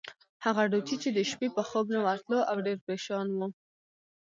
هغه ډوچي چې د شپې به خوب نه ورتلو، او ډېر پرېشان وو.